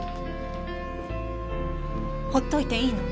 放っといていいの？